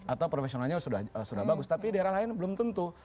atau profesionalnya sudah bagus tapi daerah lain belum tentu